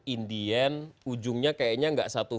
in the end ujungnya kayaknya gak satu satunya